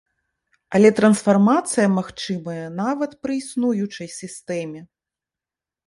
Але трансфармацыя магчымая нават пры існуючай сістэме.